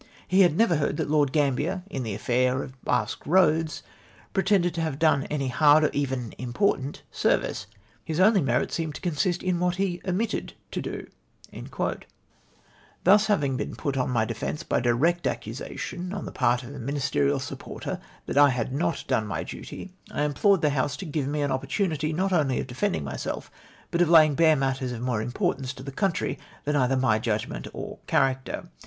He had never heard that Lord Gambler, in the aflair of Basque Eoads, pretended to have done any hard, or even important service. His only merit seemed to consist in what he omitted to do." Having thus been put on my defence by direct accu sation on the part of a Ministerial supporter that I had not done my duty, I implored the House to give me an opportunity, not only of defending myself, but of lapng bare matters of more importance to the country than either my judgment or character.